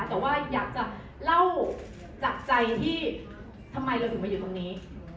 แต่ว่าอยากจะเล่าจากใจที่ทำไมเราถึงมาอยู่ตรงนี้